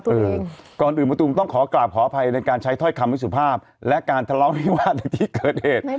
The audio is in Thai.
เออก่อนอื่นมะตูมต้องขอกราบขออภัยในการใช้ถ้อยคำวิสุภาพและการทะเลาะวิวาสในที่เกิดเหตุ